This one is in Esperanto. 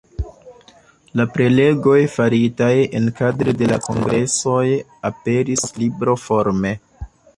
La prelegoj, faritaj enkadre de la kongresoj, aperis libroforme.